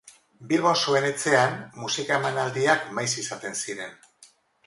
Bilbon zuen etxean musika emanaldiak maiz izaten ziren.